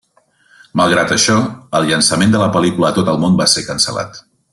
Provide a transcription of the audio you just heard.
Malgrat això, el llançament de la pel·lícula a tot el món va ser cancel·lat.